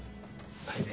はい。